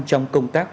trong công tác